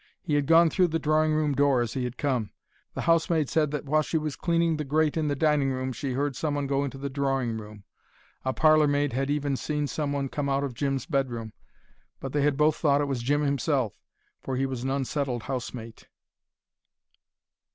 He had gone through the drawing room door, as he had come. The housemaid said that while she was cleaning the grate in the dining room she heard someone go into the drawing room: a parlour maid had even seen someone come out of Jim's bedroom. But they had both thought it was Jim himself, for he was an unsettled house mate.